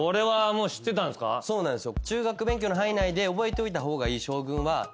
そうなんですよ。